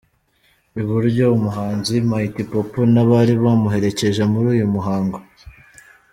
I buryo, umhanzi Mighty Popo n'abari bamuherekeje muri uyu muhango.